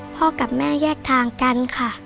พ่อกับแม่แยกทางกันค่ะ